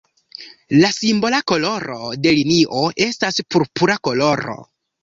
La simbola koloro de linio estas purpura koloro.